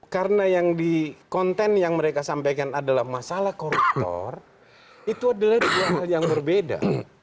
karena yang di konten yang mereka sampaikan adalah masalah koruptor itu adalah dua hal yang berbeda